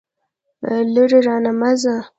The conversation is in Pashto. لرې رانه مه ځه.